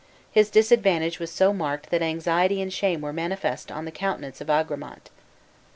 His disadvantage was so marked that anxiety and shame were manifest on the countenance of Agramant.